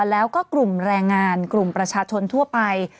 แล้วก็กลุ่มแรงงานกลุ่มประชาชนทั่วไป